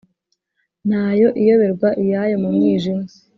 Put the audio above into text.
Ntayo iyoberwa iyayo mu mwijima.